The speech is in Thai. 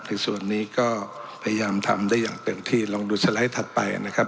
ในส่วนนี้ก็พยายามทำได้อย่างเต็มที่ลองดูสไลด์ถัดไปนะครับ